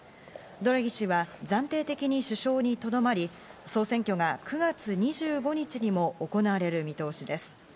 ドラギ氏は暫定的に首相にとどまり、総選挙が９月２５日にも行われる見通しです。